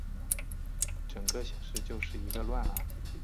整个显示就是一个乱啊